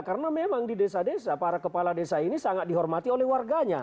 karena memang di desa desa para kepala desa ini sangat dihormati oleh warganya